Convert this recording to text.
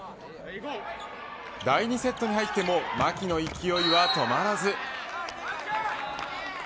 第２セットに入っても牧の勢いは止まらず。